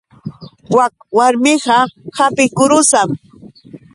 Wak warmiqa apikurusam.